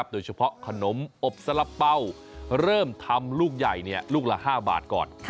โดยเฉพาะขนมอบสละเป้าเริ่มทำลูกใหญ่ลูกละ๕บาทก่อน